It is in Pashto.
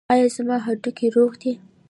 ایا زما هډوکي روغ دي؟